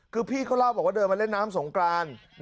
คือพี่เขาเล่าบอกว่าเดินมาเล่นน้ำสงกราน